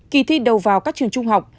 ký thi đầu vào các trường trung học